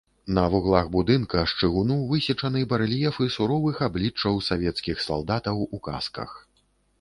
На вуглах будынка з чыгуну высечаны барэльефы суровых абліччаў савецкіх салдатаў у касках.